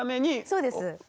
そうです。